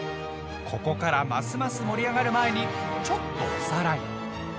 ここからますます盛り上がる前にちょっとおさらい。